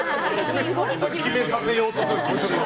決めさせようとする。